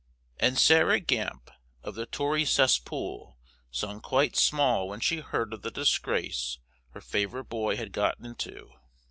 And Sarah Gamp, of the Tory cess pool, sung quite small when she heard of the disgrace her favourite boy had got into.